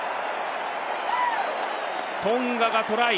トンガがトライ！